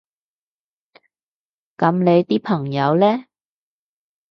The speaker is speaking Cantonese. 噉你啲朋友呢？